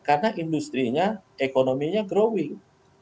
karena industri nya ekonominya growing